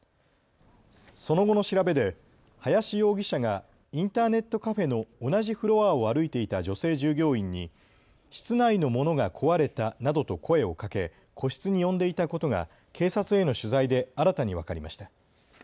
その後の調べで林容疑者がインターネットカフェの同じフロアを歩いていた女性従業員に室内のものが壊れたなどと声をかけ個室に呼んでいたことが警察への取材で新たに分かりました。